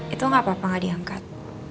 itu gak apa apa gak diangkat